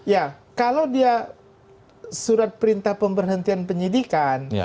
ya kalau dia surat perintah pemberhentian penyidikan